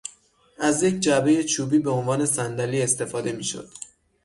از یک جعبهی چوبی به عنوان صندلی استفاده میشد.